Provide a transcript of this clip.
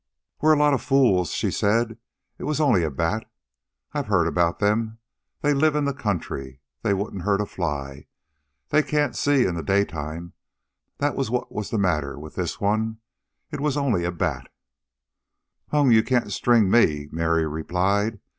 "We're a lot of fools," she said. "It was only a bat. I've heard about them. They live in the country. They wouldn't hurt a fly. They can't see in the daytime. That was what was the matter with this one. It was only a bat." "Huh, you can't string me," Mary replied.